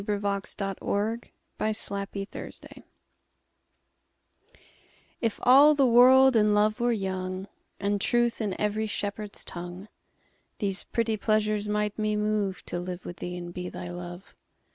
Her Reply (Written by Sir Walter Raleigh) IF all the world and love were young, And truth in every shepherd's tongue, These pretty pleasures might me moveTo live with thee and be thy Love.